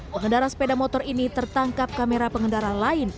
pengendara sepeda motor ini tertangkap kamera pengendara lain